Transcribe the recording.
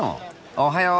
おはよう。